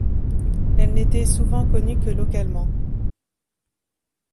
Elles n'étaient souvent connues que localement.